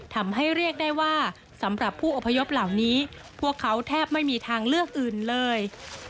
ทำให้เรียกได้ว่าสำหรับผู้อพยพเหล่านี้พวกเขาแทบไม่มีทางเลือกอื่นเลย